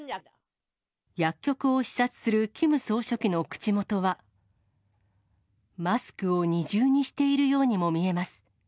薬局を視察するキム総書記の口元は、マスクを二重にしているようにも見えます。